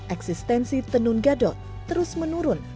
eksistensi tenun gadot terus menurun